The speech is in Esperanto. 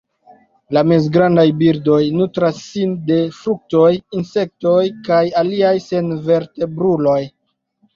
La mezgrandaj birdoj nutras sin de fruktoj, insektoj kaj aliaj senvertebruloj.